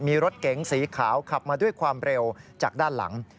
มีรถเก๋งสีขาวขับมาด้วยความเร็วจากด้านหลัง